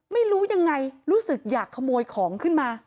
ไม่รู้ยังไงรู้สึกอยากขโมยของขึ้นมา